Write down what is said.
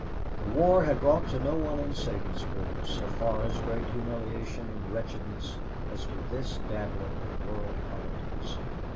The war had brought to no one in Sabinsport so far as great humiliation and wretchedness as to this dabbler in world politics.